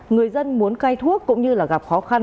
người dân muốn cai thuốc cũng như gặp khó khăn